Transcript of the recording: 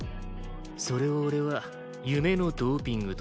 それを俺は「夢のドーピング」と呼ぶ。